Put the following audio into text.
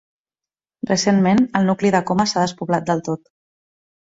Recentment, el nucli de Coma s'ha despoblat del tot.